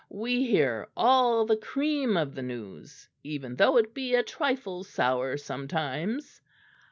We hear all the cream of the news, even though it be a trifle sour sometimes."